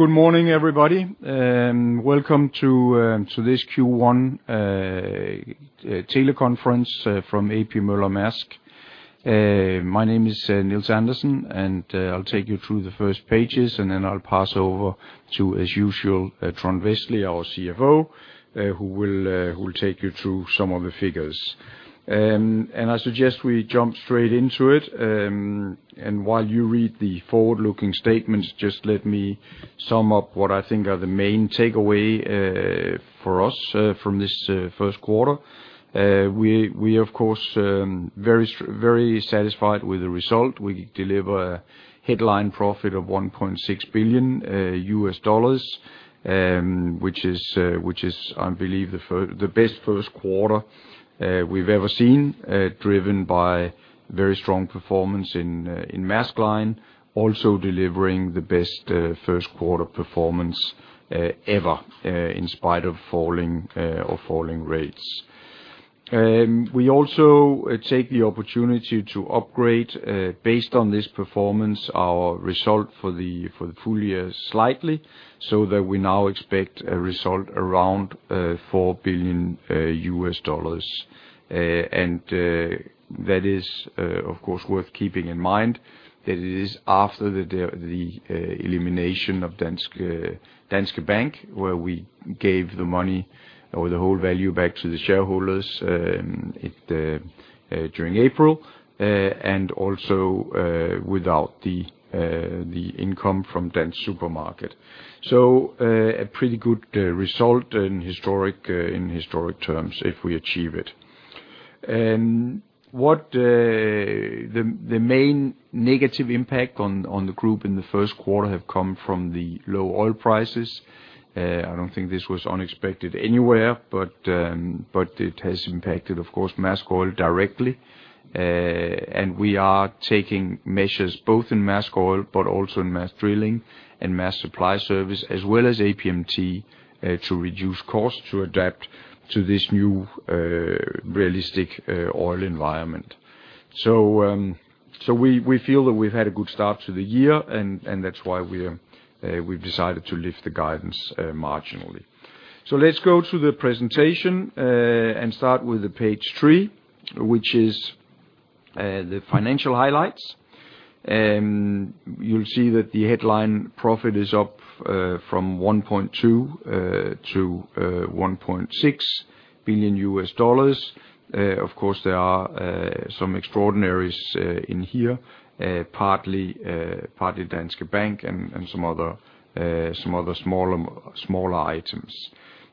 Good morning, everybody. Welcome to this Q1 teleconference from A.P. Møller - Mærsk. My name is Nils Andersen, and I'll take you through the first pages, and then I'll pass over to, as usual, Trond Westlie, our CFO, who will take you through some of the figures. I suggest we jump straight into it. While you read the forward-looking statements, just let me sum up what I think are the main takeaway for us from this first quarter. We of course very satisfied with the result. We deliver headline profit of $1.6 billion, which is, I believe, the best first quarter we've ever seen, driven by very strong performance in Maersk Line, also delivering the best first quarter performance ever, in spite of falling rates. We also take the opportunity to upgrade, based on this performance, our result for the full year slightly, so that we now expect a result around $4 billion. That is of course worth keeping in mind that it is after the elimination of Danske Bank, where we gave the money or the whole value back to the shareholders during April and also without the income from Dansk Supermarked. A pretty good result in historic terms if we achieve it. The main negative impact on the group in the first quarter have come from the low oil prices. I don't think this was unexpected anywhere, but it has impacted, of course, Maersk Oil directly. We are taking measures both in Maersk Oil but also in Maersk Drilling and Maersk Supply Service, as well as APMT, to reduce costs to adapt to this new, realistic, oil environment. We feel that we've had a good start to the year and that's why we've decided to lift the guidance, marginally. Let's go to the presentation, and start with the page three, which is the financial highlights. You'll see that the headline profit is up, from $1.2 billion-$1.6 billion. Of course, there are some extraordinaries in here, partly Danske Bank and some other smaller items.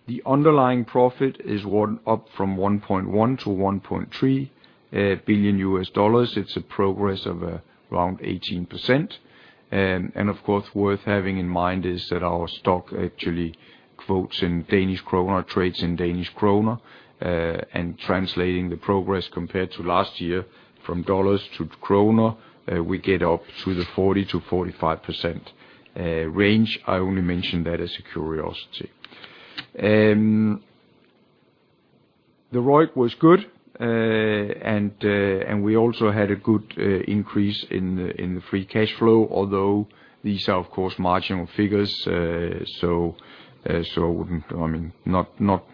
The underlying profit is up from $1.1 billion-$1.3 billion. It's a progress of around 18%. Of course, worth having in mind is that our stock actually quotes in Danish kroner, trades in Danish kroner. Translating the progress compared to last year from dollars to kroner, we get up to the 40%-45% range. I only mention that as a curiosity. The ROIC was good, and we also had a good increase in the free cash flow, although these are of course marginal figures. I wouldn't. I mean,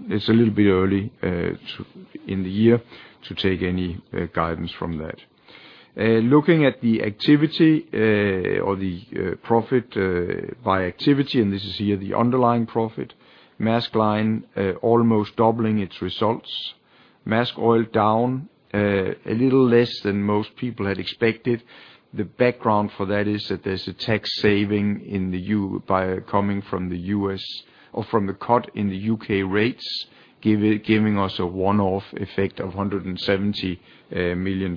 it's a little bit early in the year to take any guidance from that. Looking at the activity or the profit by activity, and this is here the underlying profit. Maersk Line almost doubling its results. Maersk Oil down a little less than most people had expected. The background for that is that there's a tax saving in the U.K. by coming from the U.S. or from the cut in the U.K. rates, giving us a one-off effect of $170 million.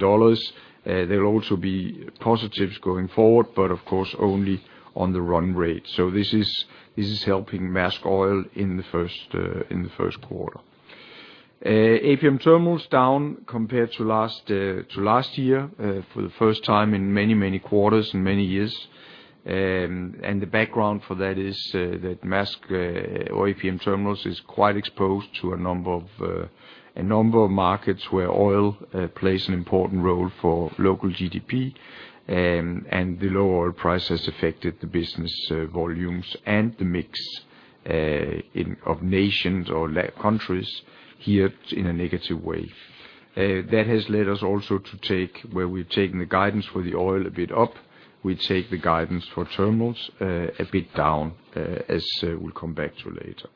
There'll also be positives going forward, but of course only on the run rate. This is helping Maersk Oil in the first quarter. APM Terminals down compared to last year for the first time in many quarters in many years. The background for that is that Maersk or APM Terminals is quite exposed to a number of markets where oil plays an important role for local GDP. The lower oil price has affected the business volumes and the mix of nations or countries hit in a negative way. That has led us also to take where we've taken the guidance for the oil a bit up, we take the guidance for terminals a bit down, as we'll come back to later.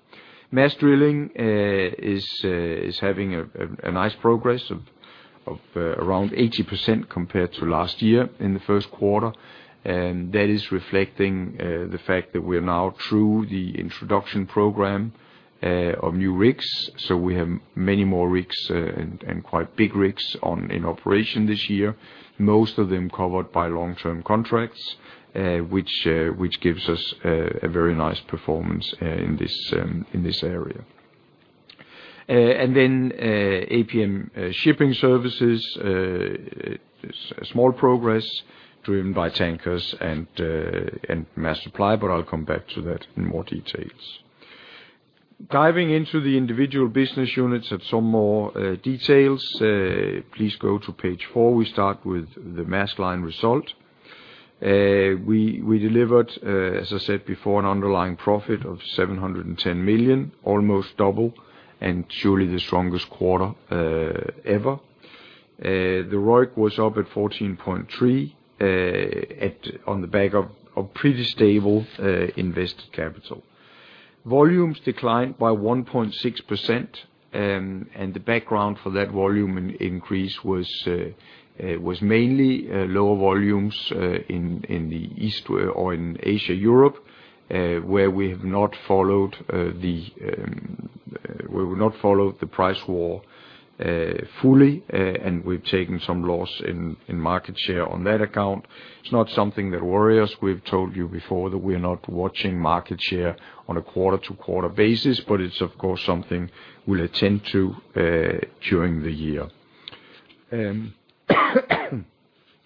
Maersk Drilling is having a nice progress of around 80% compared to last year in the first quarter. That is reflecting the fact that we're now through the introduction program of new rigs. We have many more rigs, and quite big rigs in operation this year, most of them covered by long-term contracts, which gives us a very nice performance in this area. APM Shipping Services, a small progress driven by Maersk Tankers and Maersk Supply Service, but I'll come back to that in more details. Diving into the individual business units have some more details, please go to page 4. We start with the Maersk Line result. We delivered, as I said before, an underlying profit of $710 million, almost double, and surely the strongest quarter ever. The ROIC was up at 14.3, on the back of pretty stable invested capital. Volumes declined by 1.6%, and the background for that volume increase was mainly lower volumes in the East-West in Asia-Europe, where we have not followed the price war fully, and we've taken some loss in market share on that account. It's not something that worry us. We've told you before that we are not watching market share on a quarter-to-quarter basis, but it's of course something we'll attend to during the year.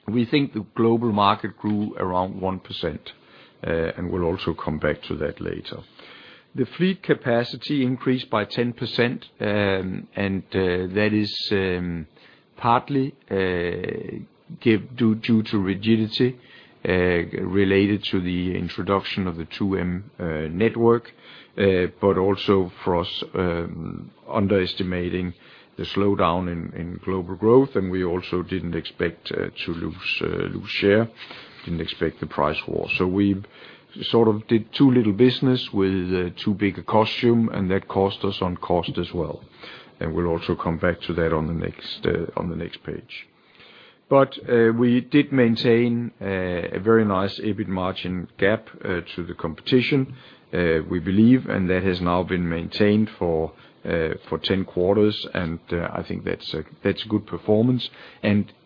We think the global market grew around 1%, and we'll also come back to that later. The fleet capacity increased by 10%, and that is partly due to rigidity related to the introduction of the 2M network, but also for us underestimating the slowdown in global growth. We also didn't expect to lose share. Didn't expect the price war. We sort of did too little business with too big a cost base, and that cost us on costs as well. We'll also come back to that on the next page. We did maintain a very nice EBIT margin gap to the competition, we believe, and that has now been maintained for 10 quarters, and I think that's good performance.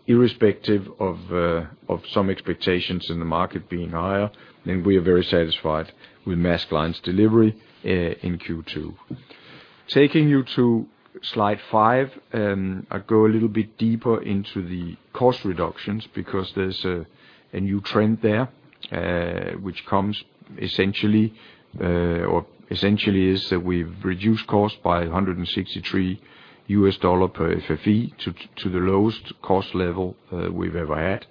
Irrespective of some expectations in the market being higher, we are very satisfied with Maersk Line's delivery in Q2. Taking you to slide five, I go a little bit deeper into the cost reductions because there's a new trend there, which comes essentially or essentially is that we've reduced cost by $163 per FEU to the lowest cost level we've ever had.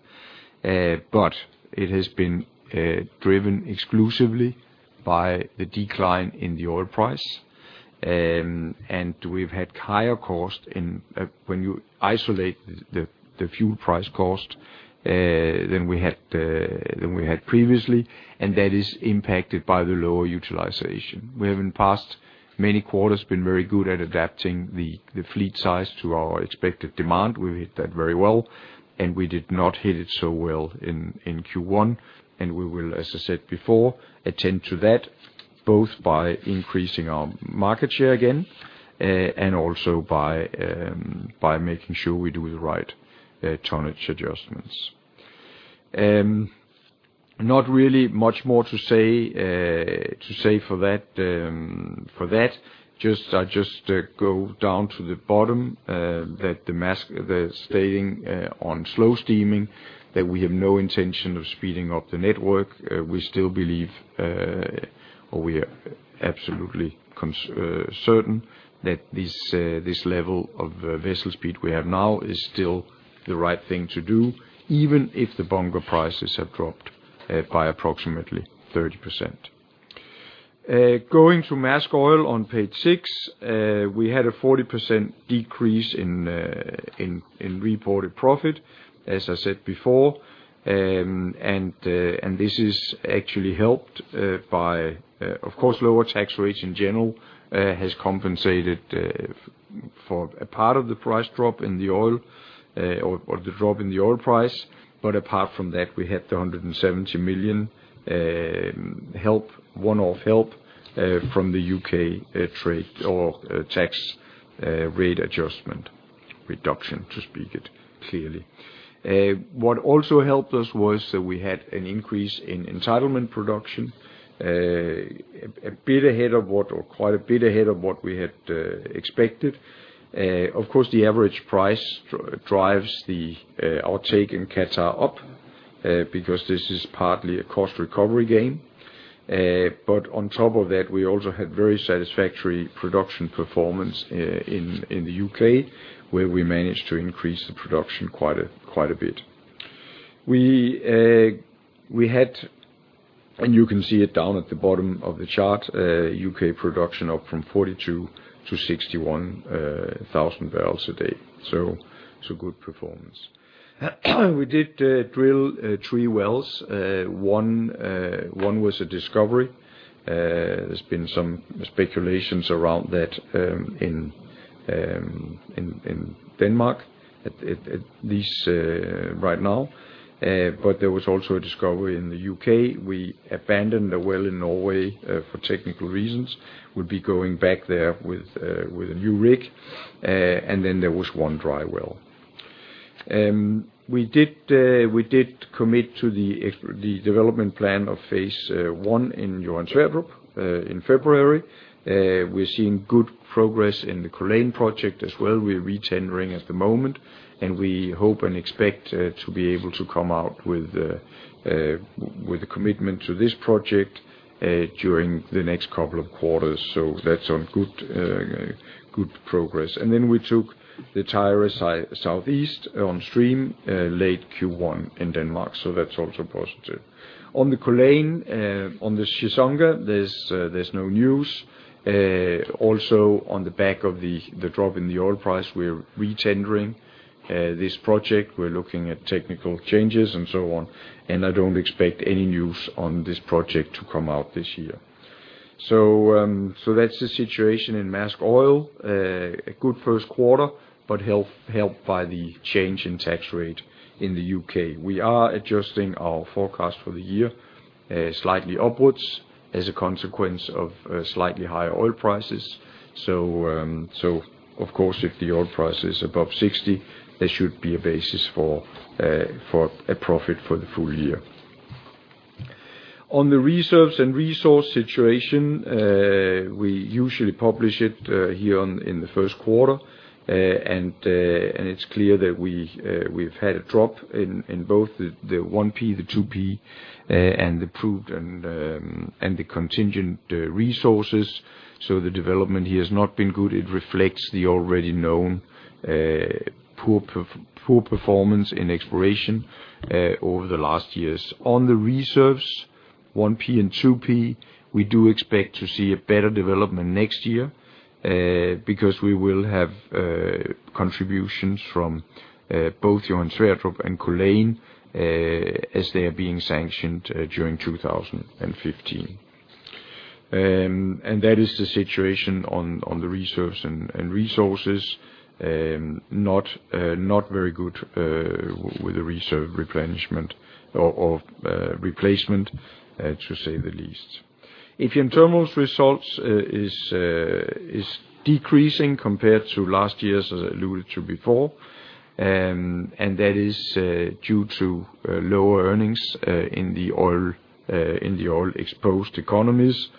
But it has been driven exclusively by the decline in the oil price. We've had higher cost when you isolate the fuel price cost than we had previously, and that is impacted by the lower utilization. We have in past many quarters been very good at adapting the fleet size to our expected demand. We hit that very well, and we did not hit it so well in Q1. We will, as I said before, attend to that both by increasing our market share again, and also by making sure we do the right tonnage adjustments. Not really much more to say for that. Just go down to the bottom, that the staying on slow steaming, that we have no intention of speeding up the network. We still believe, or we are absolutely certain that this level of vessel speed we have now is still the right thing to do, even if the bunker prices have dropped by approximately 30%. Going to Maersk Oil on page six, we had a 40% decrease in reported profit, as I said before. This is actually helped by, of course, lower tax rates in general, has compensated for a part of the price drop in the oil, or the drop in the oil price. Apart from that, we had the $170 million one-off help from the UK trade or tax rate adjustment, reduction to speak it clearly. What also helped us was that we had an increase in entitlement production, a bit ahead of what or quite a bit ahead of what we had expected. Of course, the average price drives our take in Qatar up, because this is partly a cost recovery game. On top of that, we also had very satisfactory production performance in the U.K., where we managed to increase the production quite a bit. You can see it down at the bottom of the chart, U.K. production up from 42-61 thousand barrels a day. It's a good performance. We did drill three wells. One was a discovery. There's been some speculations around that in Denmark at least right now. There was also a discovery in the U.K. We abandoned a well in Norway for technical reasons. We'll be going back there with a new rig. Then there was one dry well. We did commit to the development plan of phase one in Johan Sverdrup in February. We're seeing good progress in the Culzean project as well. We are re-tendering at the moment, and we hope and expect to be able to come out with a commitment to this project during the next couple of quarters. That's on good progress. We took the Tyra SE on stream late Q1 in Denmark. That's also positive. On the Culzean, on the Chissonga, there's no news. Also on the back of the drop in the oil price, we are re-tendering this project. We're looking at technical changes and so on, and I don't expect any news on this project to come out this year. That's the situation in Maersk Oil, a good first quarter, but helped by the change in tax rate in the UK. We are adjusting our forecast for the year, slightly upwards as a consequence of slightly higher oil prices. Of course, if the oil price is above $60, there should be a basis for a profit for the full year. On the reserves and resource situation, we usually publish it here on, in the first quarter. It's clear that we've had a drop in both the 1P, the 2P, and the proved and the contingent resources. The development here has not been good. It reflects the already known poor performance in exploration over the last years. On the reserves, 1P and 2P, we do expect to see a better development next year because we will have contributions from both Johan Sverdrup and Culzean as they are being sanctioned during 2015. That is the situation on the reserves and resources. Not very good with the reserve replenishment or replacement, to say the least. APM Terminals results is decreasing compared to last year's, as I alluded to before. That is due to lower earnings in the oil-exposed economies.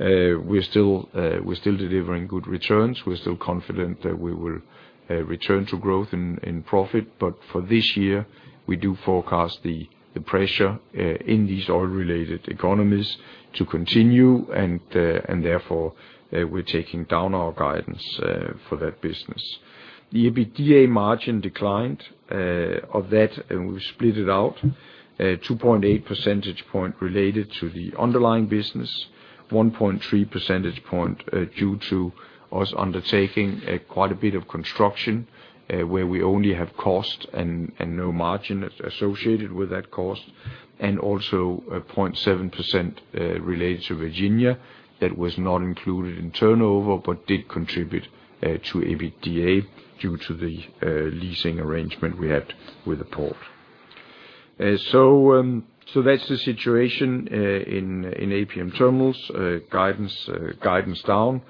We're still delivering good returns. We're still confident that we will return to growth in profit. For this year, we do forecast the pressure in these oil-related economies to continue, and therefore, we're taking down our guidance for that business. The EBITDA margin declined of that, and we split it out 2.8 percentage point related to the underlying business, 1.3 percentage point due to us undertaking quite a bit of construction where we only have cost and no margin associated with that cost. Also, 0.7% related to Virginia that was not included in turnover, but did contribute to EBITDA due to the leasing arrangement we had with the port. That's the situation in APM Terminals. Guidance down,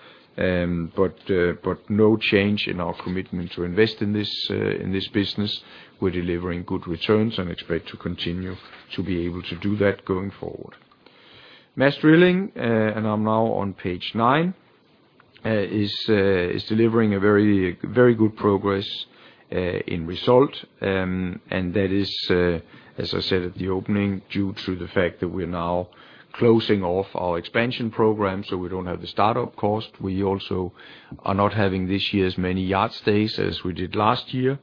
no change in our commitment to invest in this business. We're delivering good returns and expect to continue to be able to do that going forward. Maersk Drilling, and I'm now on page nine, is delivering a very good progress in result. That is, as I said at the opening, due to the fact that we are now closing off our expansion program, so we don't have the startup cost. We also are not having this year as many yard stays as we did last year.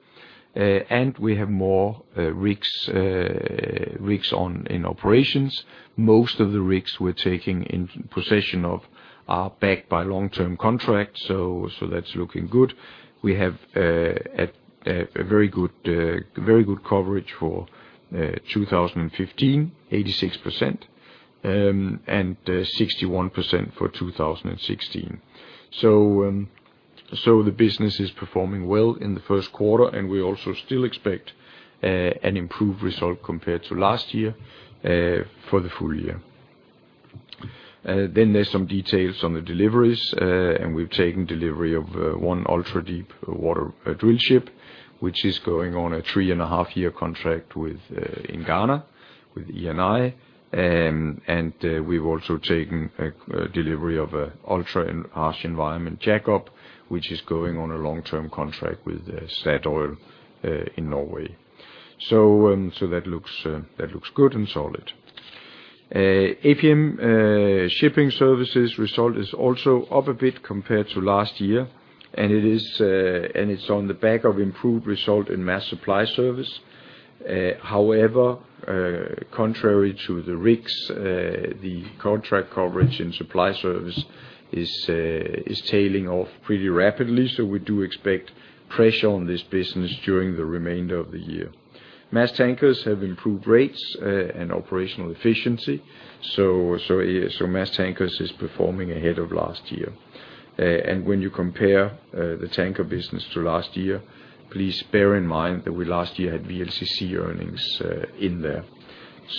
We have more rigs in operations. Most of the rigs we're taking in possession of are backed by long-term contracts, so that's looking good. We have a very good coverage for 2015, 86%, and 61% for 2016. The business is performing well in the first quarter, and we also still expect an improved result compared to last year for the full year. There's some details on the deliveries, and we've taken delivery of one ultra-deep water drillship, which is going on a 3.5-year contract in Ghana with Eni. We've also taken a delivery of a ultra and harsh environment jackup, which is going on a long-term contract with Statoil in Norway. That looks good and solid. APM Shipping Services result is also up a bit compared to last year, and it's on the back of improved result in Maersk Supply Service. However, contrary to the rigs, the contract coverage in Supply Service is tailing off pretty rapidly, so we do expect pressure on this business during the remainder of the year. Maersk Tankers have improved rates and operational efficiency, so Maersk Tankers is performing ahead of last year. When you compare the tanker business to last year, please bear in mind that we last year had VLCC earnings in there.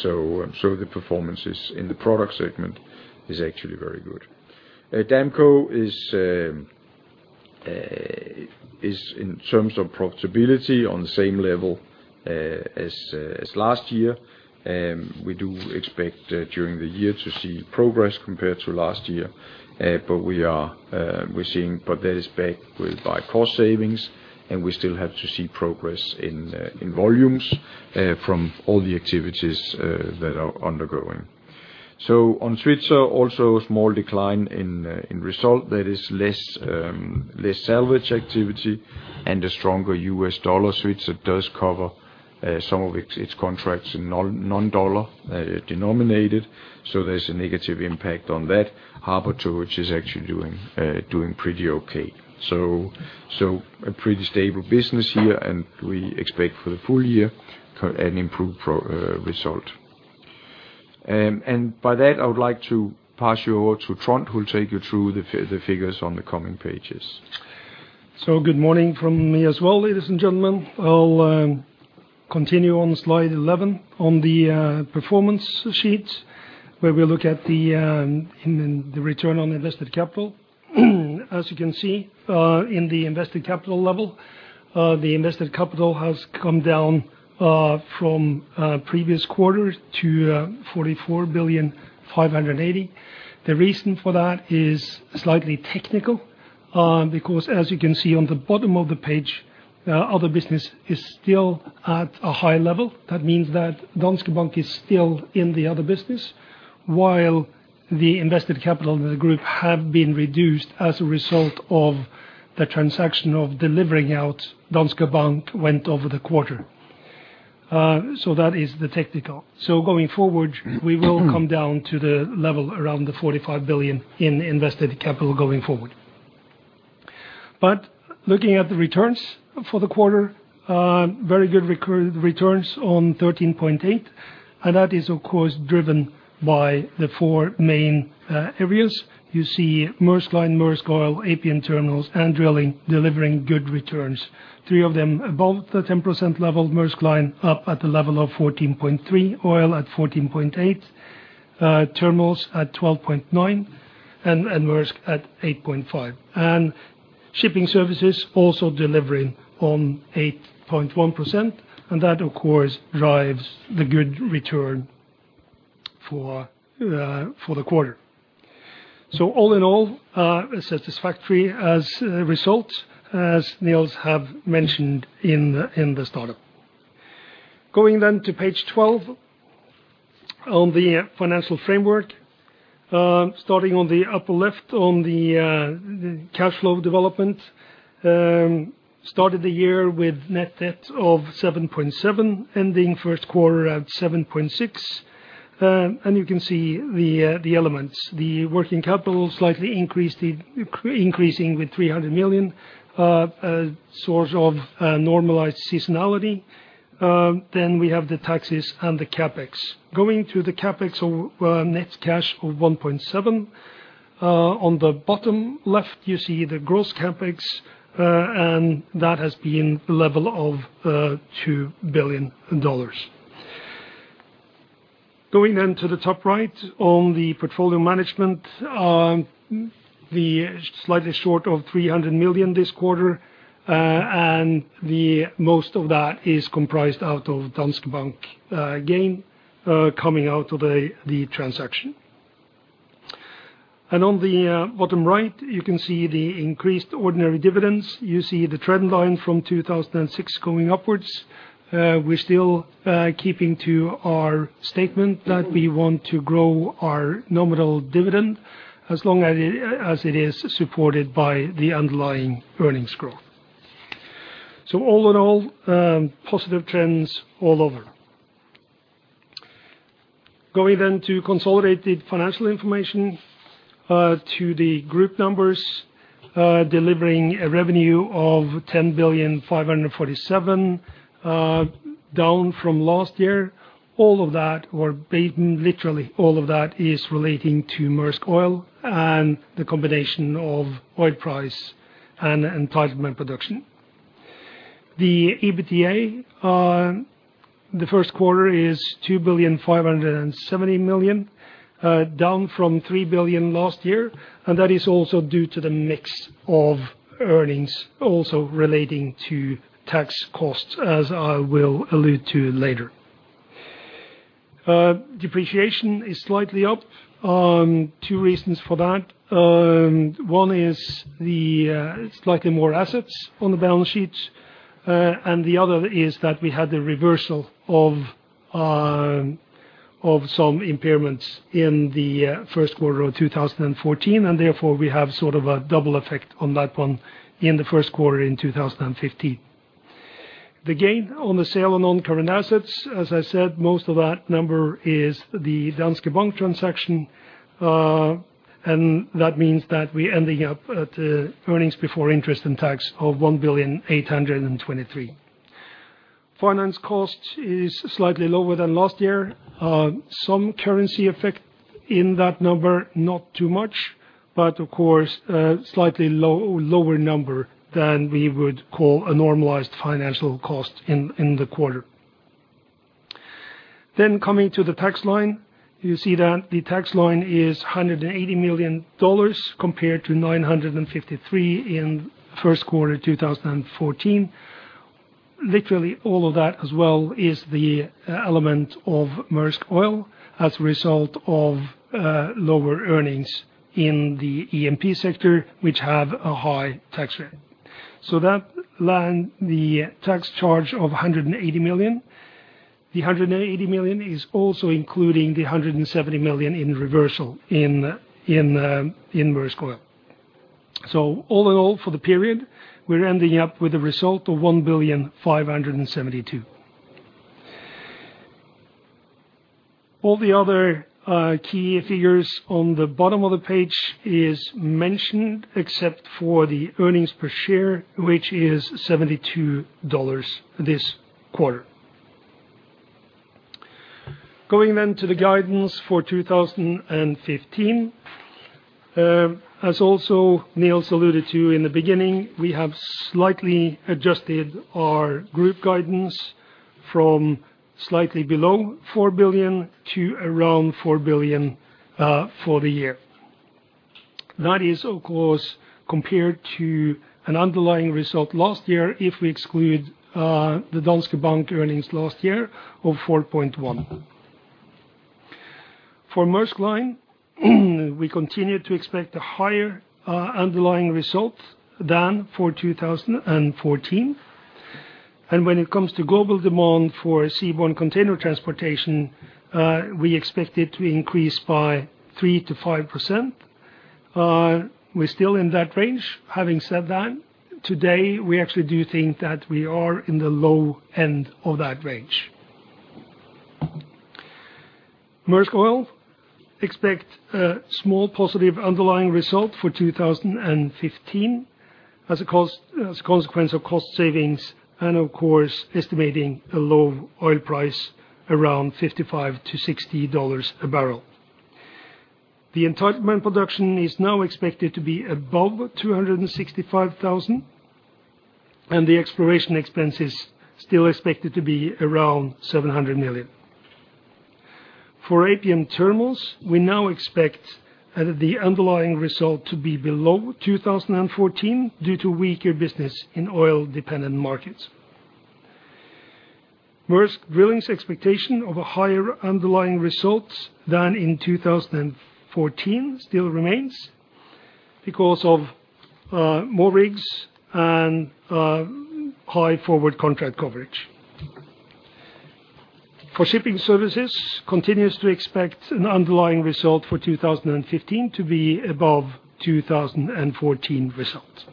The performances in the product segment is actually very good. Damco is in terms of profitability on the same level as last year. We do expect during the year to see progress compared to last year. That is backed by cost savings, and we still have to see progress in volumes from all the activities that are undergoing. On Svitzer, also small decline in result that is less salvage activity and a stronger U.S. dollar suits. It does cover some of its contracts in non-dollar denominated, so there's a negative impact on that. Harbor Towage is actually doing pretty okay. A pretty stable business here, and we expect for the full year an improved result. By that, I would like to pass you over to Trond, who will take you through the figures on the coming pages. Good morning from me as well, ladies and gentlemen. I'll continue on slide 11 on the performance sheet, where we look at the return on invested capital. As you can see, in the invested capital level, the invested capital has come down, from previous quarters to $44.58 billion. The reason for that is slightly technical, because as you can see on the bottom of the page, other business is still at a high level. That means that Danske Bank is still in the other business, while the invested capital in the group have been reduced as a result of the transaction of delivering out Danske Bank went over the quarter. That is the technical. Going forward, we will come down to the level around the $45 billion in invested capital going forward. Looking at the returns for the quarter, very good returns on 13.8%, and that is of course driven by the four main areas. You see Maersk Line, Maersk Oil, APM Terminals and Maersk Drilling delivering good returns. Three of them above the 10% level. Maersk Line up at the level of 14.3%, Oil at 14.8%, Terminals at 12.9%, and Drilling at 8.5%. APM Shipping Services also delivering on 8.1%, and that of course drives the good return for the quarter. All in all, a satisfactory result, as Nils have mentioned in the startup. Going then to page 12 on the financial framework. Starting on the upper left on the cash flow development. Started the year with net debt of $7.7, ending first quarter at $7.6. You can see the elements, the working capital slightly increased, increasing with $300 million, source of normalized seasonality. We have the taxes and the CapEx. Going to the CapEx of net cash of $1.7. On the bottom left, you see the gross CapEx, and that has been level of $2 billion. Going on to the top right on the portfolio management. We're slightly short of $300 million this quarter, and the most of that is comprised out of Danske Bank gain, coming out of the transaction. On the bottom right, you can see the increased ordinary dividends. You see the trend line from 2006 going upwards. We're still keeping to our statement that we want to grow our nominal dividend as long as it is supported by the underlying earnings growth. All in all, positive trends all over. Going then to consolidated financial information, to the group numbers, delivering a revenue of $10,547 million, down from last year. Literally all of that is relating to Maersk Oil and the combination of oil price and entitlement production. The EBITDA, the first quarter is $2,570 million, down from $3 billion last year, and that is also due to the mix of earnings also relating to tax costs, as I will allude to later. Depreciation is slightly up. Two reasons for that. One is the slightly more assets on the balance sheet. The other is that we had the reversal of some impairments in the first quarter of 2014, and therefore we have sort of a double effect on that one in the first quarter of 2015. The gain on the sale of non-current assets, as I said, most of that number is the Danske Bank transaction. That means that we ending up at earnings before interest and tax of $1.823 billion. Finance cost is slightly lower than last year. Some currency effect in that number, not too much, but of course a slightly lower number than we would call a normalized financial cost in the quarter. Coming to the tax line, you see that the tax line is $180 million compared to $953 million in first quarter 2014. Literally all of that as well is the E&P element of Maersk Oil as a result of lower earnings in the E&P sector, which have a high tax rate. That line, the tax charge of $180 million. The $180 million is also including the $170 million in reversal in Maersk Oil. All in all for the period, we're ending up with a result of $1.572 billion. All the other key figures on the bottom of the page is mentioned except for the earnings per share, which is $72 this quarter. Going to the guidance for 2015. As also Nils alluded to in the beginning, we have slightly adjusted our group guidance from slightly below $4 billion to around $4 billion for the year. That is, of course, compared to an underlying result last year if we exclude the Danske Bank earnings last year of $4.1. For Maersk Line, we continue to expect a higher underlying result than for 2014. When it comes to global demand for seaborne container transportation, we expect it to increase by 3%-5%. We're still in that range. Having said that, today, we actually do think that we are in the low end of that range. Maersk Oil expect a small positive underlying result for 2015 as a result of cost savings and of course, estimating a low oil price around $55-$60 a barrel. The entitlement production is now expected to be above 265,000, and the exploration expenses still expected to be around $700 million. For APM Terminals, we now expect the underlying result to be below 2014 due to weaker business in oil-dependent markets. Maersk Drilling's expectation of a higher underlying results than in 2014 still remains because of more rigs and high forward contract coverage. For Shipping Services, continues to expect an underlying result for 2015 to be above 2014 results.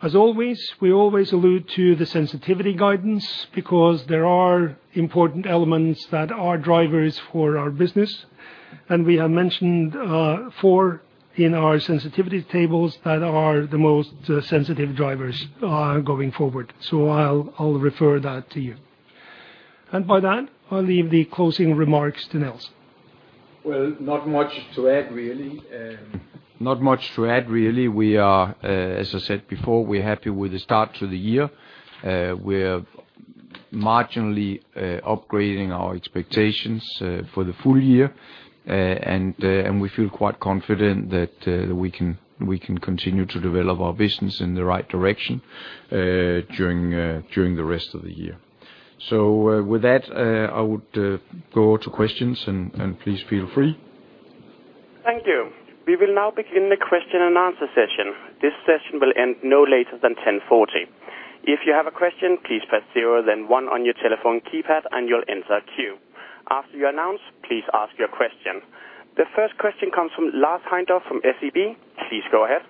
As always, we always allude to the sensitivity guidance because there are important elements that are drivers for our business. We have mentioned four in our sensitivity tables that are the most sensitive drivers going forward. I'll refer that to you. By that, I'll leave the closing remarks to Nils. Well, not much to add, really. We are, as I said before, we're happy with the start to the year. We're marginally upgrading our expectations for the full year. And we feel quite confident that we can continue to develop our business in the right direction during the rest of the year. With that, I would go to questions and please feel free. Thank you. We will now begin the question and answer session. This session will end no later than 10:40. If you have a question, please press zero, then one on your telephone keypad, and you'll be inserted into the queue. After you're announced, please ask your question. The first question comes from Lars Heindorff from SEB. Please go ahead.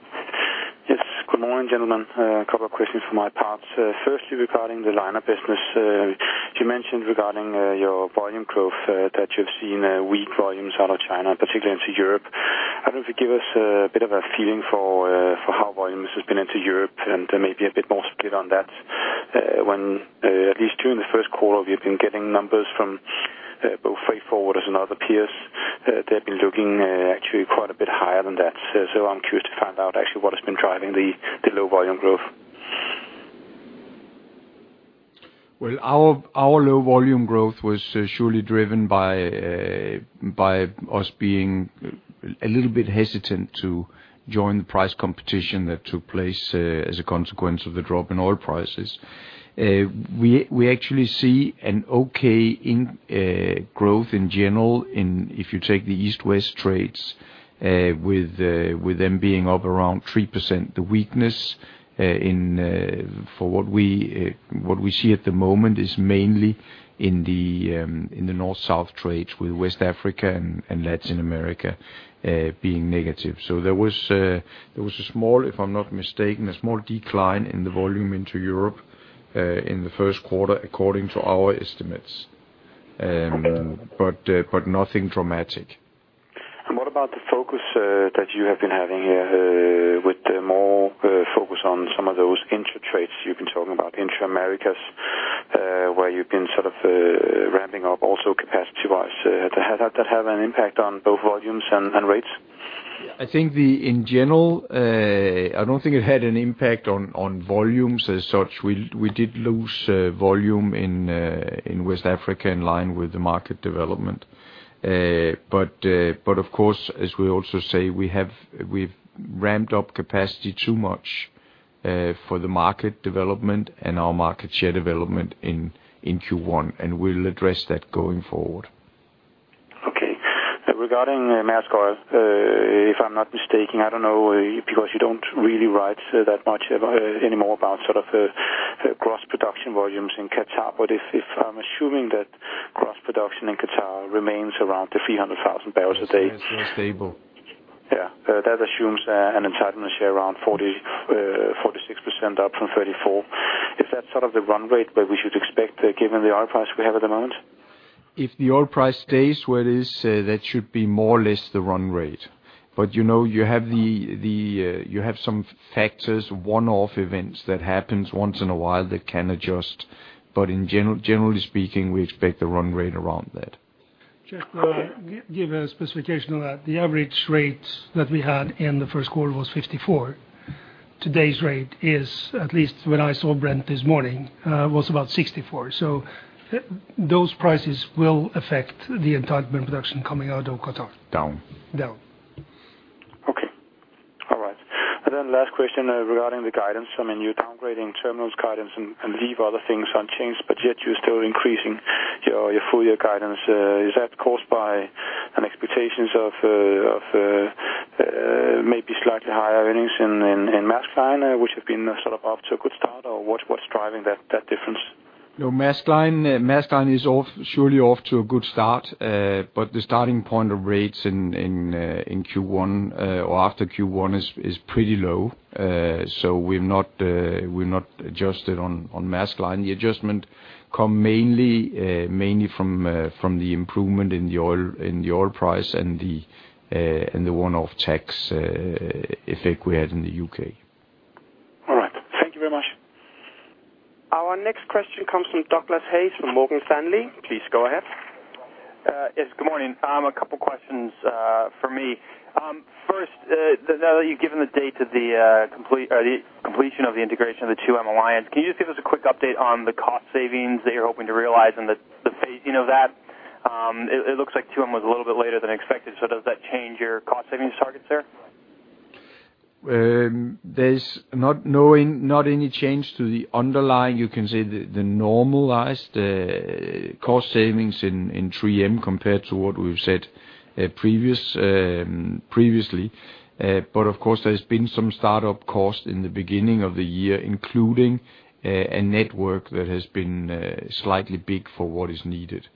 Yes, good morning, gentlemen. A couple of questions from my part. Firstly, regarding the liner business, you mentioned regarding your volume growth that you've seen weak volumes out of China, particularly into Europe. I don't know if you give us a bit of a feeling for how volume-wise this has been into Europe and maybe a bit more split on that. At least during the first quarter, we've been getting numbers from both freight forwarders and other peers. They've been looking actually quite a bit higher than that. I'm curious to find out actually what has been driving the low volume growth. Well, our low volume growth was surely driven by us being a little bit hesitant to join the price competition that took place as a consequence of the drop in oil prices. We actually see an okay growth in general if you take the East-West trades with them being up around 3%. The weakness for what we see at the moment is mainly in the North-South trades with West Africa and Latin America being negative. There was a small, if I'm not mistaken, decline in the volume into Europe in the first quarter, according to our estimates. Nothing dramatic. What about the focus that you have been having here with the more focus on some of those intra trades you've been talking about, Intra-Americas, where you've been sort of ramping up also capacity-wise. Does that have an impact on both volumes and rates? I think in general I don't think it had an impact on volumes as such. We did lose volume in West Africa in line with the market development. Of course, as we also say, we've ramped up capacity too much for the market development and our market share development in Q-one, and we'll address that going forward. Okay. Regarding Maersk Oil, if I'm not mistaken, I don't know, because you don't really write so that much about anymore about sort of gross production volumes in Qatar. If I'm assuming that gross production in Qatar remains around 300,000 barrels a day. It's been stable. Yeah. That assumes an entitlement share around 40%-46% up from 34%. Is that sort of the run rate where we should expect given the oil price we have at the moment? If the oil price stays where it is, that should be more or less the run rate. You know, you have some factors, one-off events that happens once in a while that can adjust. In general, generally speaking, we expect the run rate around that. Just to give a specification of that, the average rates that we had in the first quarter was $54. Today's rate is, at least when I saw Brent this morning, was about $64. Those prices will affect the entitlement production coming out of Qatar. Down. Down. Okay. All right. Last question regarding the guidance. I mean, you're downgrading terminals guidance and leave other things unchanged, but yet you're still increasing your full year guidance. Is that caused by an expectation of maybe slightly higher earnings in Maersk Line, which have been sort of off to a good start or what's driving that difference? No, Maersk Line is off to a good start. The starting point of rates in Q1 or after Q1 is pretty low. We've not adjusted on Maersk Line. The adjustment comes mainly from the improvement in the oil price and the one-off tax effect we had in the U.K.. All right. Thank you very much. Our next question comes from Douglas Hayes from Morgan Stanley. Please go ahead. Yes, good morning. A couple questions for me. First, now that you've given the date of the completion of the integration of the 2M alliance, can you just give us a quick update on the cost savings that you're hoping to realize and the pacing of that? It looks like 2M was a little bit later than expected, so does that change your cost savings targets there? There's not any change to the underlying, you can say the normalized cost savings in 2M compared to what we've said previously. Of course, there's been some start-up costs in the beginning of the year, including a network that has been slightly bigger for what is needed.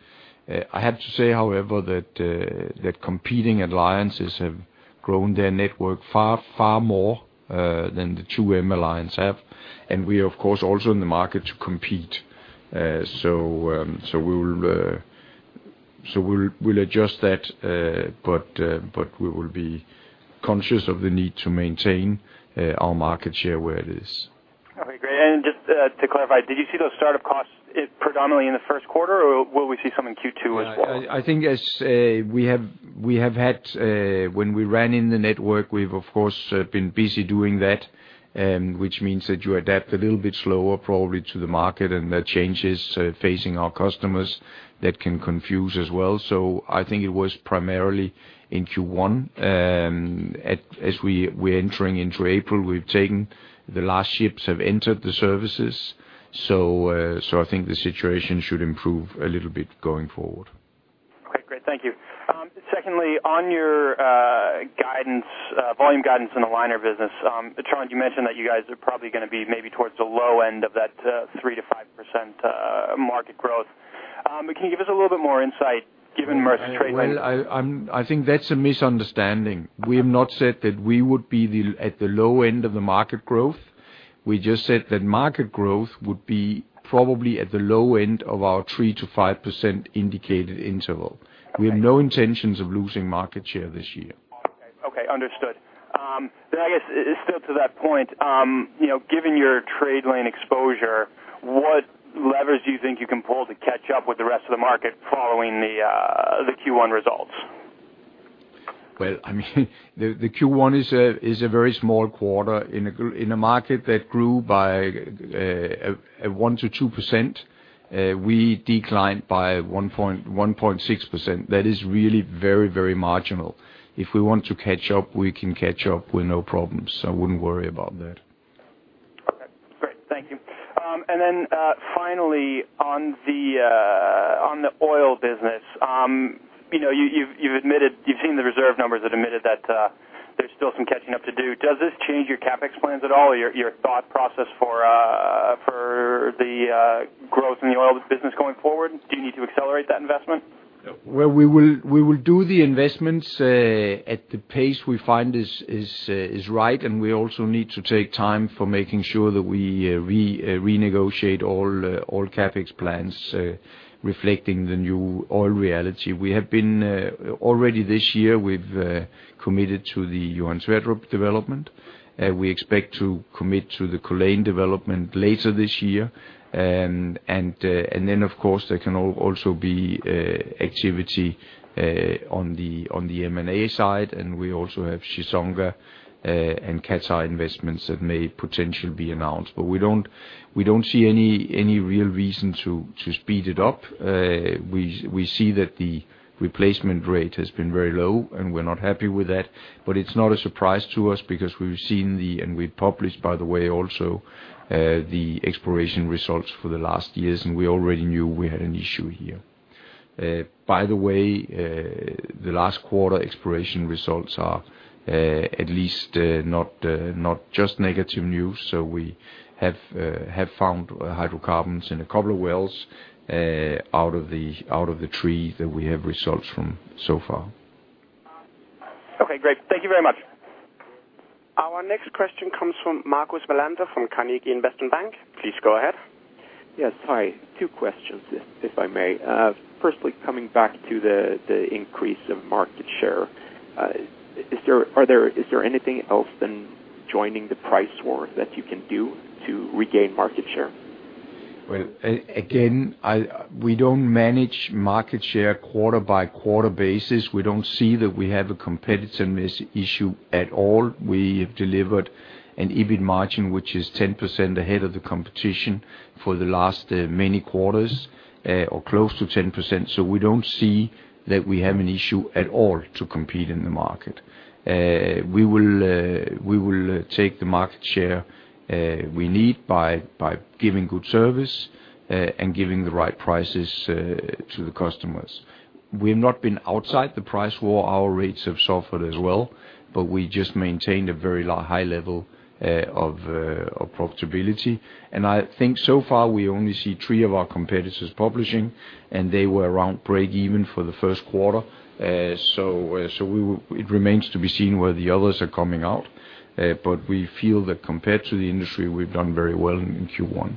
I have to say, however, that competing alliances have grown their network far more than the 2M alliance have. We are of course also in the market to compete. We'll adjust that, but we will be conscious of the need to maintain our market share where it is. Okay, great. Just, to clarify, did you see those start-up costs predominantly in the first quarter, or will we see some in Q2 as well? I think as we have had when we ran in the network, we've of course been busy doing that, and which means that you adapt a little bit slower probably to the market and the changes facing our customers that can confuse as well. I think it was primarily in Q1. As we're entering into April, the last ships have entered the services. I think the situation should improve a little bit going forward. Okay, great. Thank you. Secondly, on your guidance, volume guidance in the liner business, Trond Westlie, you mentioned that you guys are probably gonna be maybe towards the low end of that 3%-5% market growth. Can you give us a little bit more insight given Maersk trade- Well, I think that's a misunderstanding. We have not said that we would be at the low end of the market growth. We just said that market growth would be probably at the low end of our 3%-5% indicated interval. Okay. We have no intentions of losing market share this year. Okay, understood. I guess still to that point, you know, given your trade lane exposure, what levers do you think you can pull to catch up with the rest of the market following the Q1 results? I mean, the Q1 is a very small quarter. In a market that grew by 1%-2%, we declined by 1.6%. That is really very marginal. If we want to catch up, we can catch up with no problems. I wouldn't worry about that. Okay, great. Thank you. Finally, on the oil business, you know, you've admitted you've seen the reserve numbers that indicate that there's still some catching up to do. Does this change your CapEx plans at all, your thought process for the growth in the oil business going forward? Do you need to accelerate that investment? We will do the investments at the pace we find is right, and we also need to take time for making sure that we renegotiate all CapEx plans reflecting the new oil reality. We have already this year committed to the Johan Sverdrup development. We expect to commit to the Culzean development later this year. Then of course, there can also be activity on the M&A side. We also have Chissonga and Qatar investments that may potentially be announced. We don't see any real reason to speed it up. We see that the replacement rate has been very low, and we're not happy with that. It's not a surprise to us because we've seen and we published, by the way, also, the exploration results for the last years, and we already knew we had an issue here. By the way, the last quarter exploration results are, at least, not just negative news. We have found hydrocarbons in a couple of wells, out of the three that we have results from so far. Okay, great. Thank you very much. Our next question comes from Markus Malvisto from Carnegie Investment Bank. Please go ahead. Yes. Hi. Two questions, if I may. Firstly, coming back to the increase of market share, is there anything else than joining the price war that you can do to regain market share? Well, again, we don't manage market share quarter-by-quarter basis. We don't see that we have a competitiveness issue at all. We have delivered an EBIT margin, which is 10% ahead of the competition for the last many quarters, or close to 10%. We don't see that we have an issue at all to compete in the market. We will take the market share we need by giving good service and giving the right prices to the customers. We have not been outside the price war. Our rates have suffered as well, but we just maintained a very high level of profitability. I think so far we only see three of our competitors publishing, and they were around break even for the first quarter. So we... It remains to be seen where the others are coming out. We feel that compared to the industry, we've done very well in Q1.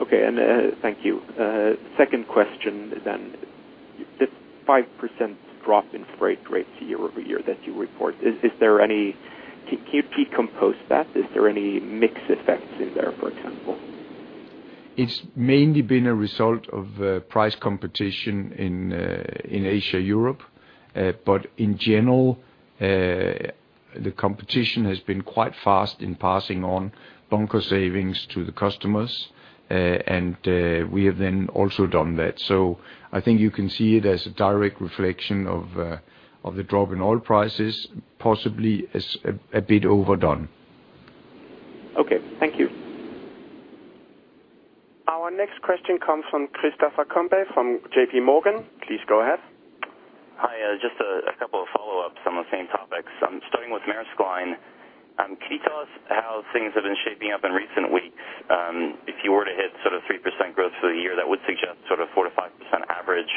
Okay. Thank you. Second question. The 5% drop in freight rates year-over-year that you report, can you decompose that? Is there any mix effects in there, for example? It's mainly been a result of price competition in Asia-Europe. In general, the competition has been quite fast in passing on bunker savings to the customers. We have then also done that. I think you can see it as a direct reflection of the drop in oil prices, possibly as a bit overdone. Okay, thank you. Our next question comes from Christopher Combe from JPMorgan. Please go ahead. Hi. Just a couple of follow-ups on the same topics. I'm starting with Maersk Line. Can you tell us how things have been shaping up in recent weeks? If you were to hit sort of 3% growth for the year, that would suggest sort of 4%-5% average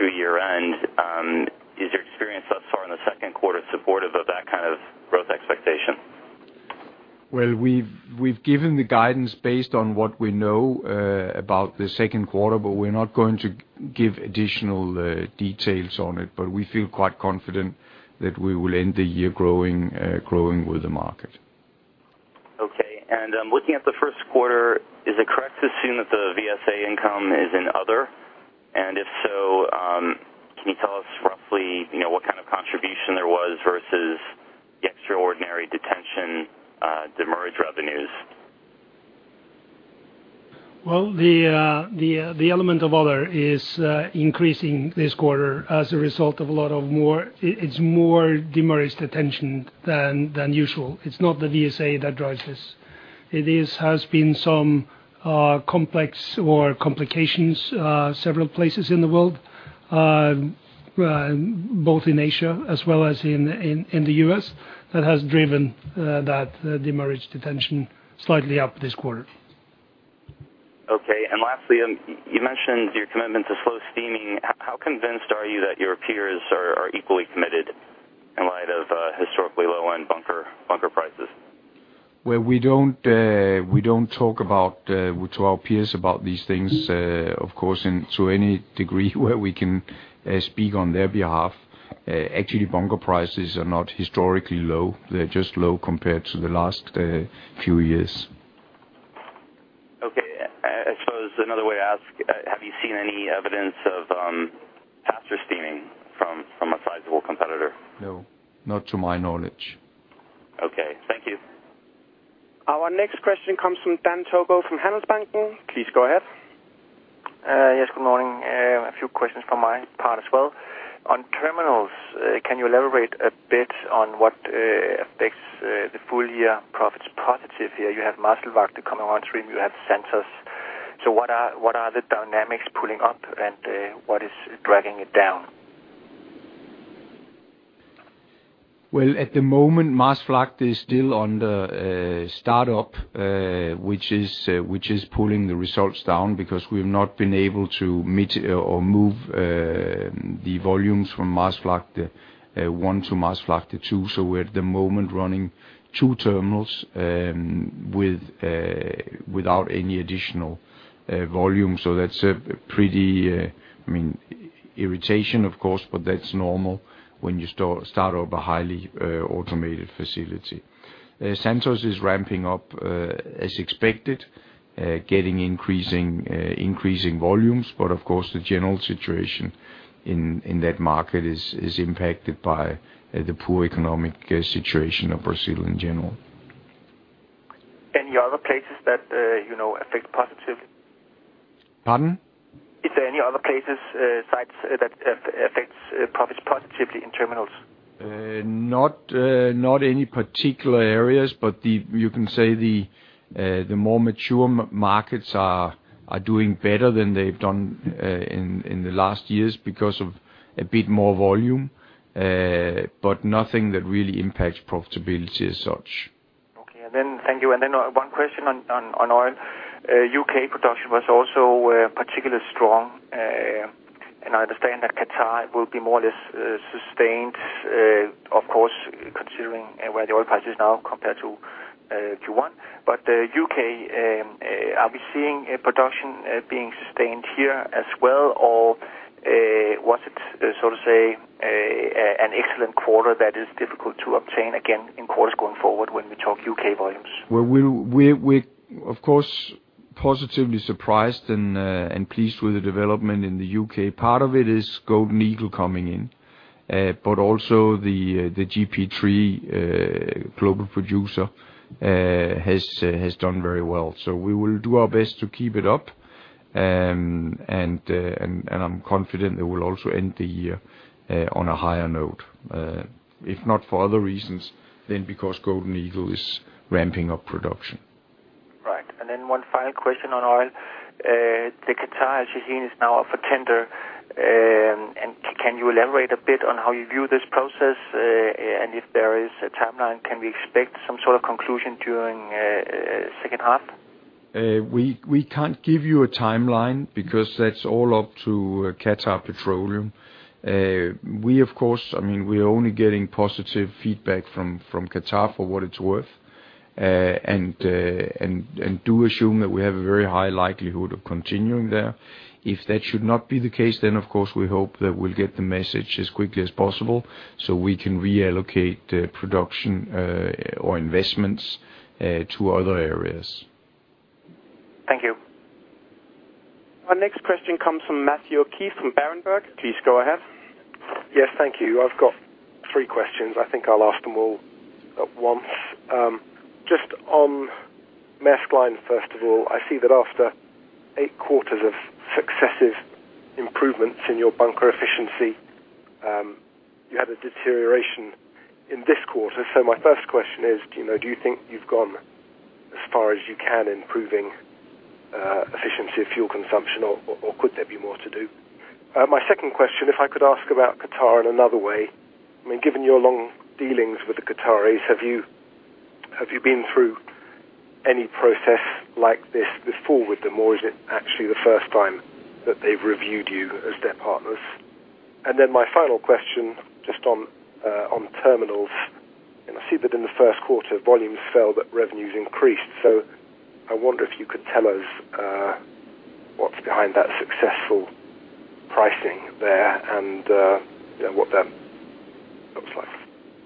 through year-end. Is your experience thus far in the second quarter supportive of that kind of growth expectation? Well, we've given the guidance based on what we know about the second quarter, but we're not going to give additional details on it. We feel quite confident that we will end the year growing with the market. Okay. Looking at the first quarter, is it correct to assume that the VSA income is in other? If so, can you tell us roughly, you know, what kind of contribution there was versus the extraordinary detention, demurrage revenues? Well, the element of other is increasing this quarter as a result of a lot more. It's more demurrage detention than usual. It's not the VSA that drives this. It has been some complications in several places in the world, both in Asia as well as in the U.S., that has driven that demurrage detention slightly up this quarter. Okay. Lastly, you mentioned your commitment to slow steaming. How convinced are you that your peers are equally committed in light of historically low bunker prices? Well, we don't talk to our peers about these things, of course, and to any degree where we can speak on their behalf. Actually, bunker prices are not historically low. They're just low compared to the last few years. Okay. I suppose another way to ask, have you seen any evidence of faster steaming from a sizable competitor? No, not to my knowledge. Okay, thank you. Our next question comes from Dan Togo from Handelsbanken. Please go ahead. Yes, good morning. A few questions from my part as well. On terminals, can you elaborate a bit on what affects the full year profits positive here? You have Maasvlakte coming on stream, you have centers. What are the dynamics pulling up, and what is dragging it down? Well, at the moment, Maasvlakte is still under startup, which is pulling the results down because we have not been able to meet or move the volumes from Maasvlakte One to Maasvlakte Two. We're at the moment running two terminals without any additional volume. That's a pretty I mean irritation of course, but that's normal when you start up a highly automated facility. Santos is ramping up as expected, getting increasing volumes. But of course, the general situation in that market is impacted by the poor economic situation of Brazil in general. Any other places that, you know, affect positive? Pardon? Is there any other places, sites that affects profits positively in terminals? Not any particular areas, but you can say the more mature markets are doing better than they've done in the last years because of a bit more volume. But nothing that really impacts profitability as such. One question on oil. U.K. production was also particularly strong, and I understand that Qatar will be more or less sustained, of course, considering where the oil price is now compared to Q1. U.K., are we seeing production being sustained here as well, or was it, so to say, an excellent quarter that is difficult to obtain again in quarters going forward when we talk U.K. volumes? We're of course positively surprised and pleased with the development in the U.K.. Part of it is Golden Eagle coming in. Also the GP3, Global Producer, has done very well. We will do our best to keep it up. I'm confident that we'll also end the year on a higher note, if not for other reasons than because Golden Eagle is ramping up production. Right. Then one final question on oil. The Qatar Al Shaheen is now up for tender, and can you elaborate a bit on how you view this process, and if there is a timeline, can we expect some sort of conclusion during second half? We can't give you a timeline because that's all up to Qatar Petroleum. We of course, I mean, we're only getting positive feedback from Qatar for what it's worth, and do assume that we have a very high likelihood of continuing there. If that should not be the case, then of course we hope that we'll get the message as quickly as possible so we can reallocate production or investments to other areas. Thank you. Our next question comes from Matthew Kerley from Berenberg. Please go ahead. Yes, thank you. I've got three questions. I think I'll ask them all at once. Just on Maersk Line, first of all, I see that after 8 quarters of successive improvements in your bunker efficiency, you had a deterioration in this quarter. So my first question is, do you know, do you think you've gone as far as you can improving efficiency of fuel consumption or could there be more to do? My second question, if I could ask about Qatar in another way. I mean, given your long dealings with the Qataris, have you been through any process like this before with them, or is it actually the first time that they've reviewed you as their partners? Then my final question, just on terminals. I see that in the first quarter volumes fell, but revenues increased. I wonder if you could tell us, what's behind that successful pricing there and, you know, what that looks like.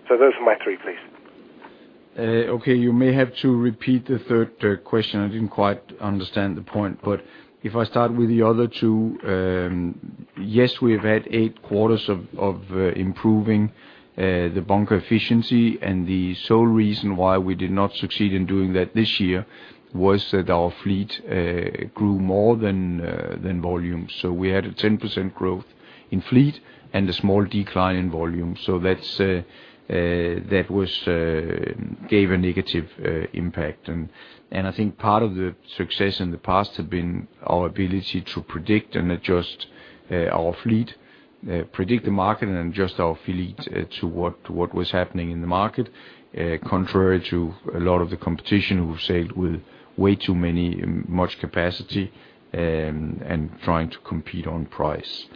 Those are my three, please. Okay. You may have to repeat the third question. I didn't quite understand the point. If I start with the other two, yes, we have had eight quarters of improving the bunker efficiency, and the sole reason why we did not succeed in doing that this year was that our fleet grew more than volume. We had a 10% growth in fleet and a small decline in volume. That gave a negative impact. I think part of the success in the past had been our ability to predict and adjust our fleet, predict the market and adjust our fleet, to what was happening in the market. Contrary to a lot of the competition who sailed with way too many, much capacity and trying to compete on price.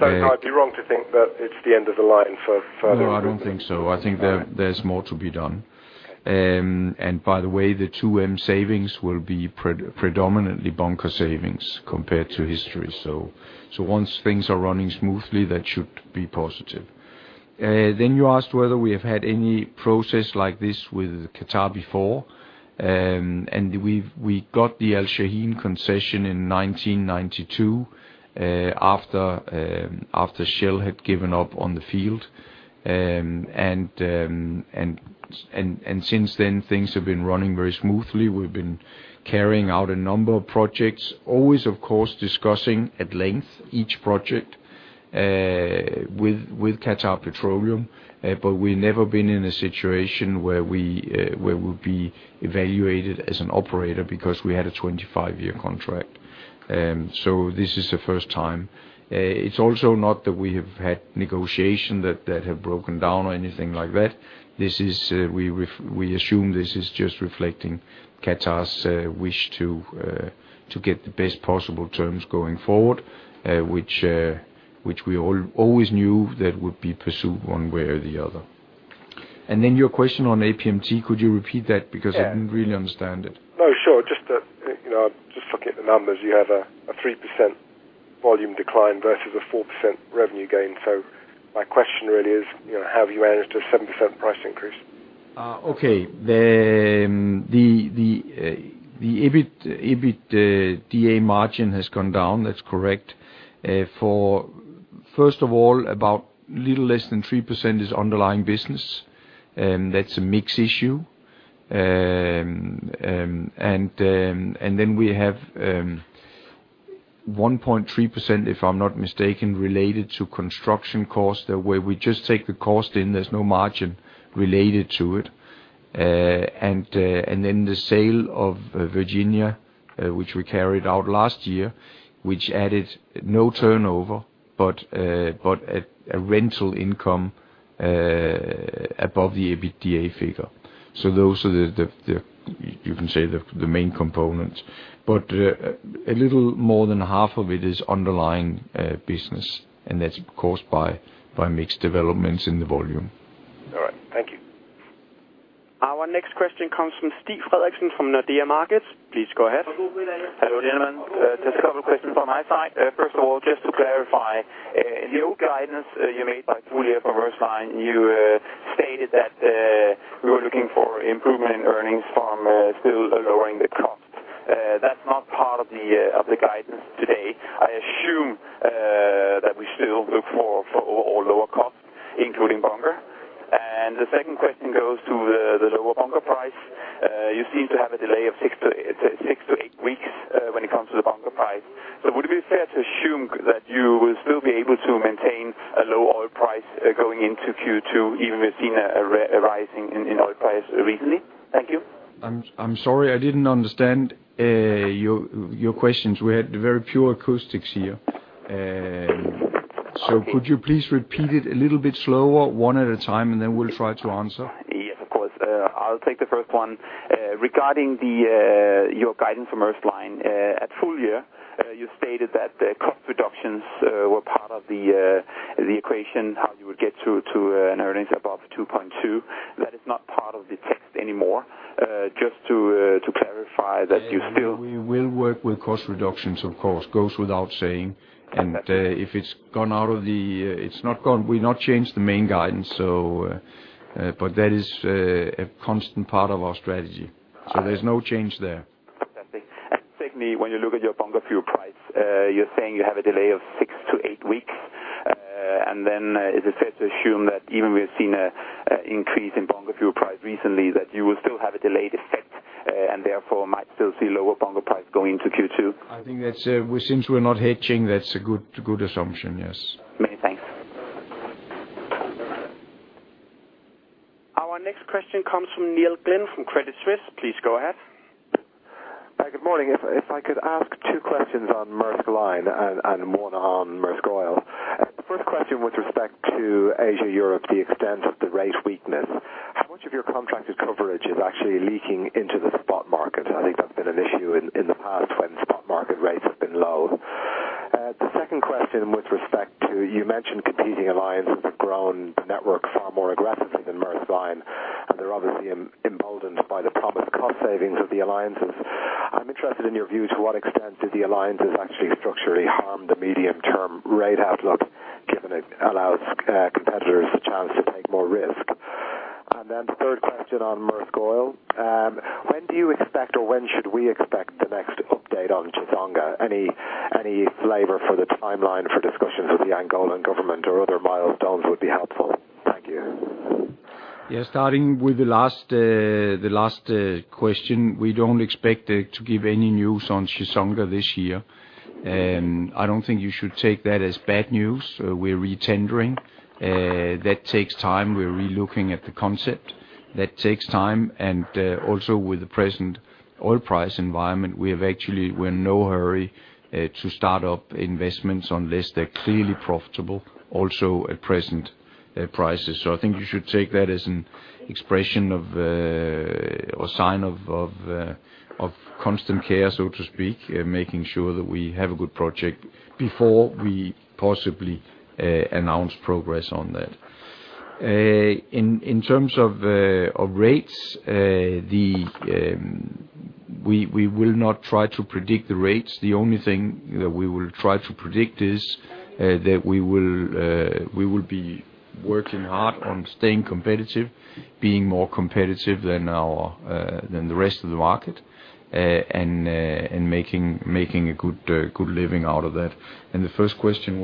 I'd be wrong to think that it's the end of the line for further improvement. No, I don't think so. All right. I think there's more to be done. Okay. By the way, the 2M savings will be predominantly bunker savings compared to history. Once things are running smoothly, that should be positive. You asked whether we have had any process like this with Qatar before, and we got the Al Shaheen concession in 1992, after Shell had given up on the field. Since then, things have been running very smoothly. We've been carrying out a number of projects, always, of course, discussing at length each project with Qatar Petroleum. We've never been in a situation where we'll be evaluated as an operator because we had a 25-year contract. This is the first time. It's also not that we have had negotiations that have broken down or anything like that. This is, we assume this is just reflecting Qatar's wish to get the best possible terms going forward, which we always knew that would be pursued one way or the other. Then your question on APMT, could you repeat that? Because- Yeah. I didn't really understand it. No, sure. Just that, you know, just looking at the numbers, you have a three percent volume decline versus a four percent revenue gain. My question really is, you know, have you managed a seven percent price increase? The EBIT, EBITDA margin has gone down, that's correct. First of all, about a little less than 3% is underlying business, that's a mix issue. And then we have 1.3%, if I'm not mistaken, related to construction costs, the way we just take the cost in, there's no margin related to it. And then the sale of Virginia, which we carried out last year, which added no turnover, but a rental income above the EBITDA figure. Those are the main components. A little more than half of it is underlying business, and that's caused by mixed developments in the volume. All right, thank you. Our next question comes from Stig Frederiksen from Nordea Markets. Please go ahead. Hello, gentlemen. Just a couple questions on my side. First of all, just to clarify, in your guidance you made for full year for Maersk Line, you stated that we were looking for improvement in earnings from still lowering the cost. That's not part of the guidance today. I assume that we still look for all lower costs, including bunker. The second question goes to the lower bunker price. You seem to have a delay of 6-8 weeks when it comes to the bunker price. Would it be fair to assume that you will still be able to maintain a low oil price going into Q2, even we've seen a rising in oil price recently? Thank you. I'm sorry I didn't understand your questions. We had very poor acoustics here. Could you please repeat it a little bit slower, one at a time, and then we'll try to answer. Yes, of course. I'll take the first one. Regarding your guidance for Maersk Line at full year, you stated that the cost reductions were part of the equation, how you would get to an earnings above $2.2. That is not part of the text anymore. Just to clarify that you still- We will work with cost reductions, of course. Goes without saying. If it's not gone, we've not changed the main guidance, so, but that is a constant part of our strategy. There's no change there. Fantastic. Secondly, when you look at your bunker fuel price, you're saying you have a delay of six to eight weeks, and then is it fair to assume that even we have seen an increase in bunker fuel price recently, that you will still have a delayed effect and therefore might still see lower bunker price going into Q2? I think that's, since we're not hedging, that's a good assumption, yes. Many thanks. Our next question comes from Neil Glynn from Credit Suisse. Please go ahead. Good morning. If I could ask two questions on Maersk Line and one on Maersk Oil. First question with respect to Asia/Europe, the extent of the rate weakness. How much of your contracted coverage is actually leaking into the spot market? I think that's been an issue in the past when spot market rates have been low. The second question with respect to, you mentioned competing alliances have grown the network far more aggressively than Maersk Line, and they're obviously emboldened by the promised cost savings of the alliances. I'm interested in your view to what extent do the alliances actually structurally harm the medium term rate outlook, given it allows competitors the chance to take more risk? The third question on Maersk Oil. When do you expect, or when should we expect the next update on Chissonga? Any flavor for the timeline for discussions with the Angolan government or other milestones would be helpful. Thank you. Yeah, starting with the last question, we don't expect to give any news on Chissonga this year. I don't think you should take that as bad news. We're re-tendering, that takes time. We're relooking at the concept, that takes time. Also with the present oil price environment, we have actually, we're in no hurry, to start up investments unless they're clearly profitable also at present prices. I think you should take that as an expression of or sign of constant care, so to speak, making sure that we have a good project before we possibly announce progress on that. In terms of rates, we will not try to predict the rates. The only thing that we will try to predict is, that we will be working hard on staying competitive, being more competitive than our, than the rest of the market, and making a good living out of that. The first question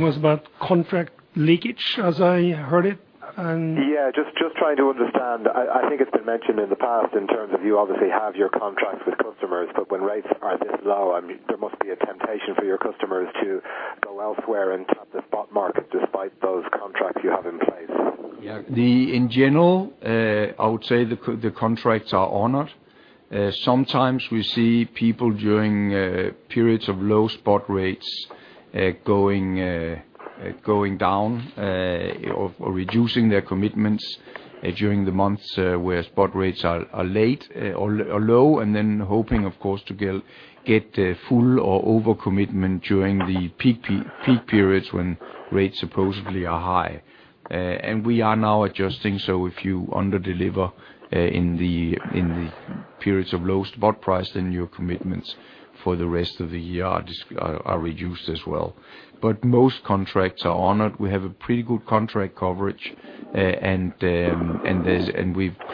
was about contract leakage, as I heard it, and Yeah, just trying to understand. I think it's been mentioned in the past in terms of you obviously have your contracts with customers, but when rates are this low, I mean, there must be a temptation for your customers to go elsewhere into the spot market despite those contracts you have in place. Yeah. In general, I would say the contracts are honored. Sometimes we see people during periods of low spot rates going down or reducing their commitments during the months where spot rates are low, and then hoping, of course, to get full or over-commitment during the peak periods when rates supposedly are high. We are now adjusting, so if you under-deliver in the periods of low spot price, then your commitments for the rest of the year are just reduced as well. Most contracts are honored. We have a pretty good contract coverage. We've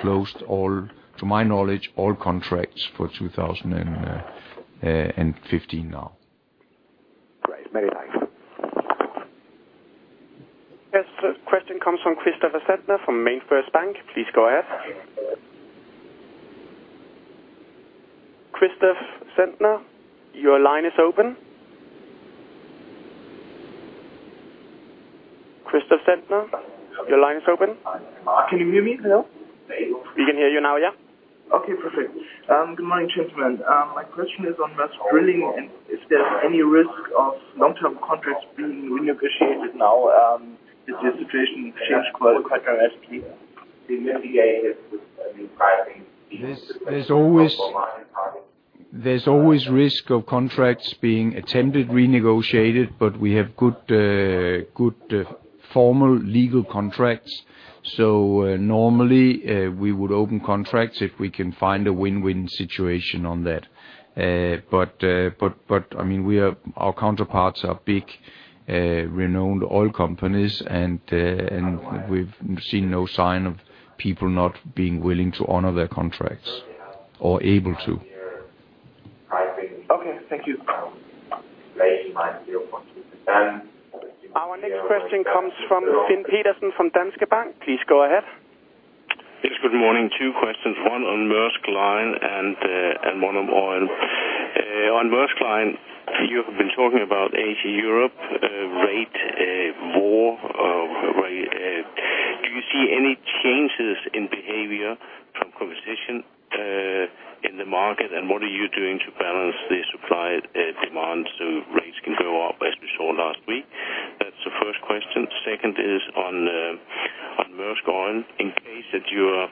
closed all, to my knowledge, all contracts for 2015 now. Great. Many thanks. Yes, the question comes from Christopher Combe from JPMorgan. Please go ahead. Christopher Combe, your line is open. Christopher Combe, your line is open. Can you hear me now? We can hear you now, yeah. Okay, perfect. Good morning, gentlemen. My question is on Maersk Drilling, and if there's any risk of long-term contracts being renegotiated now, since the situation changed quite drastically. There's always risk of contracts being attempted, renegotiated, but we have good formal legal contracts. Normally, we would open contracts if we can find a win-win situation on that. I mean, our counterparts are big renowned oil companies and we've seen no sign of people not being willing to honor their contracts or able to. Okay, thank you. Our next question comes from Finn Pedersen from Danske Bank. Please go ahead. Yes, good morning. Two questions. One on Maersk Line and one on Oil. On Maersk Line, you have been talking about Asia-Europe rate war. Do you see any changes in behavior from competition in the market? What are you doing to balance the supply and demand so rates can go up as we saw last week? That's the first question. Second is on Maersk Oil. In case that your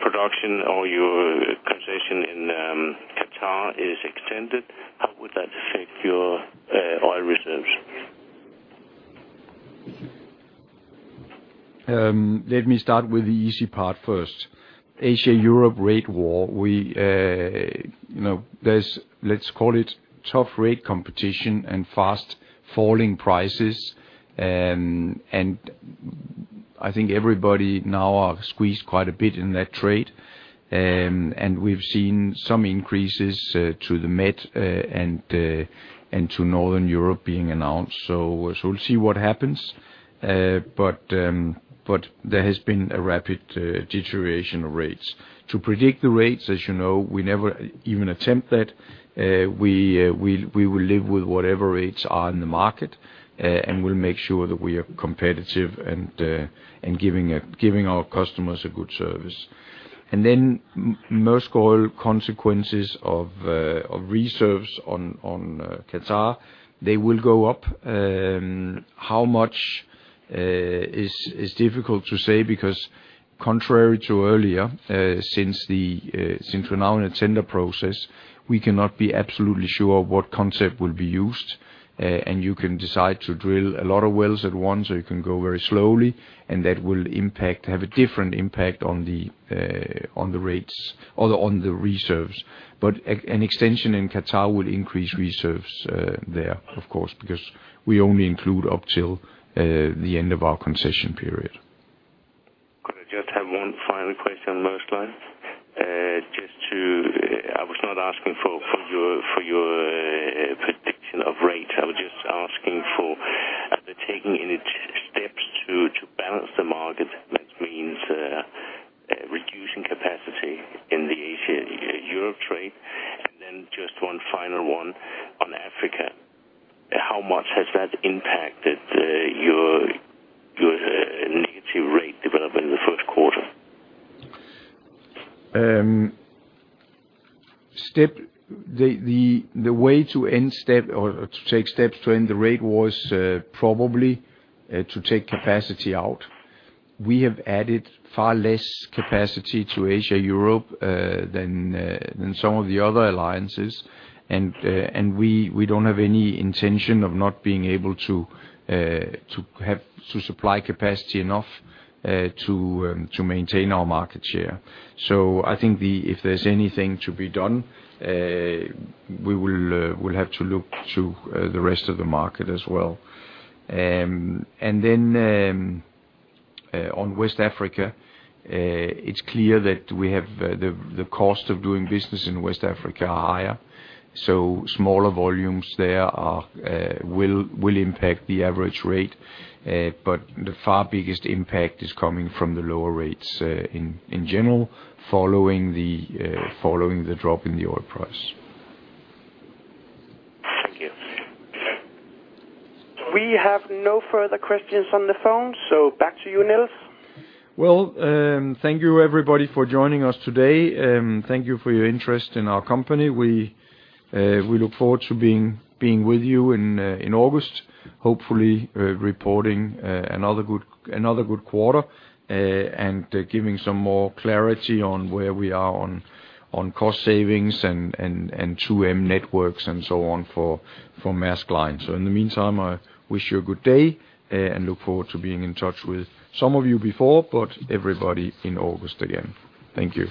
production or your concession in Qatar is extended, how would that affect your oil reserves? Let me start with the easy part first. Asia-Europe rate war, you know, there's, let's call it tough rate competition and fast falling prices. I think everybody now are squeezed quite a bit in that trade. We've seen some increases to the Med and to Northern Europe being announced. We'll see what happens. There has been a rapid deterioration of rates. To predict the rates, as you know, we never even attempt that. We will live with whatever rates are in the market and we'll make sure that we are competitive and giving our customers a good service. Maersk Oil consequences of reserves on Qatar, they will go up. How much is difficult to say because contrary to earlier, since we're now in a tender process, we cannot be absolutely sure what concept will be used. You can decide to drill a lot of wells at once, or you can go very slowly, and that will have a different impact on the rates or on the reserves. An extension in Qatar will increase reserves there, of course, because we only include up till the end of our concession period. Could I just have one final question on Maersk Line? I was not asking for your prediction of rates. I was just asking, are they taking any steps to balance the market? That means reducing capacity in the Asia-Europe trade. Then just one final one on Africa. How much has that impacted your negative rate development in the first quarter? The way to end the rate wars or to take steps to end the rate wars, probably to take capacity out. We have added far less capacity to Asia-Europe than some of the other alliances. We don't have any intention of not being able to supply enough capacity to maintain our market share. I think if there's anything to be done, we'll have to look to the rest of the market as well. On West Africa, it's clear that we have the cost of doing business in West Africa are higher, so smaller volumes there will impact the average rate. By far the biggest impact is coming from the lower rates in general, following the drop in the oil price. Thank you. We have no further questions on the phone, so back to you, Nils. Well, thank you, everybody, for joining us today. Thank you for your interest in our company. We look forward to being with you in August, hopefully, reporting another good quarter, and giving some more clarity on where we are on cost savings and 2M networks and so on for Maersk Line. In the meantime, I wish you a good day, and look forward to being in touch with some of you before, but everybody in August again. Thank you.